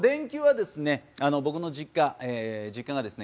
僕の実家実家がですね